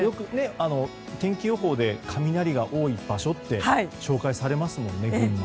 天気予報で雷が多い場所と紹介されますもんね。